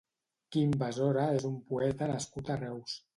Quim Besora és un poeta nascut a Reus.